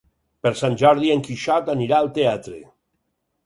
Per Sant Jordi en Quixot anirà al teatre.